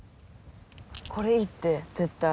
これいいって絶対。